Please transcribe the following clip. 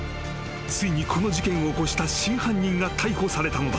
［ついにこの事件を起こした真犯人が逮捕されたのだ］